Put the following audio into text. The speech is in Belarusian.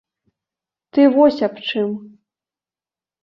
Ты вось аб чым!